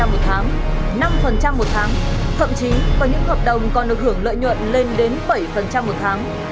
một tháng năm một tháng thậm chí có những hợp đồng còn được hưởng lợi nhuận lên đến bảy một tháng